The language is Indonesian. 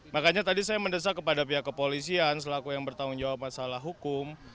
makanya tadi saya mendesak kepada pihak kepolisian selaku yang bertanggung jawab masalah hukum